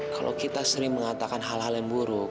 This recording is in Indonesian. kalau kita sering mengatakan hal hal yang buruk